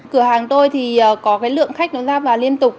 cửa hàng tôi thì có cái lượng khách nó ra vào liên tục